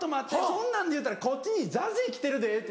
そんなんでいうたらこっちにＺＡＺＹ来てるで！」。